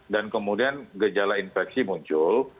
dan kemudian gejala infeksi muncul